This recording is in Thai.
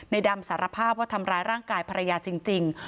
ดำสารภาพว่าทำร้ายร่างกายภรรยาจริง